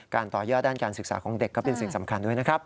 ต่อยอดด้านการศึกษาของเด็กก็เป็นสิ่งสำคัญด้วยนะครับ